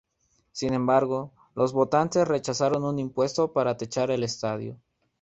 Sin embargo, los votantes rechazaron un impuesto para techar el estadio.